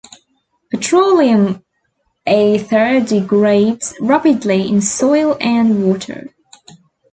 Petroleum ether degrades rapidly in soil and water.